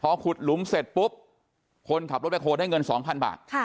พอขุดหลุมเสร็จปุ๊บคนขับรถแบคโฮได้เงินสองพันบาทค่ะ